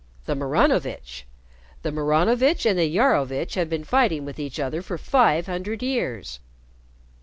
"The Maranovitch. The Maranovitch and the Iarovitch have been fighting with each other for five hundred years.